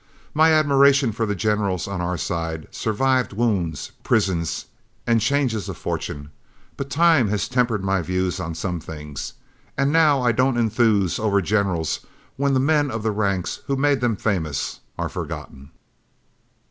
My admiration for the generals on our side survived wounds, prisons, and changes of fortune; but time has tempered my views on some things, and now I don't enthuse over generals when the men of the ranks who made them famous are forgotten.